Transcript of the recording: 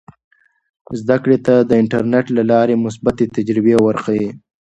زده کړې ته د انټرنیټ له لارې مثبتې تجربې ورښیي.